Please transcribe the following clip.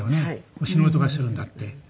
「星の音がするんだ」って。